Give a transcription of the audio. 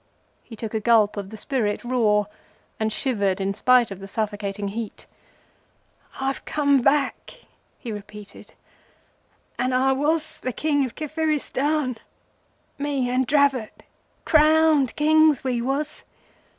He took a gulp of the spirit raw, and shivered in spite of the suffocating heat. "I've come back," he repeated; "and I was the King of Kafiristan—me and Dravot—crowned Kings we was!